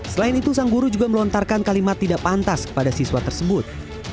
selain itu sang guru juga melontarkan kalimat tidak pantas kepada siswa tersebut